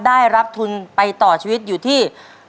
ได้รับทุนไปต่อชีวิตอยู่ที่